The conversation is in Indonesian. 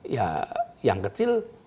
ya yang kecil